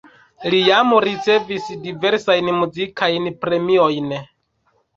Li jam ricevis diversajn muzikajn premiojn.